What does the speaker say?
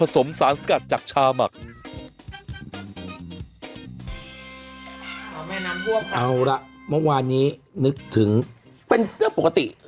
เอาแม่น้ำยมเอาละเมื่อวานนี้นึกถึงเป็นเรื่องปกติ